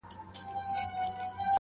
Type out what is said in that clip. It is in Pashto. هر څه منم پر شخصيت باندي تېرى نه منم.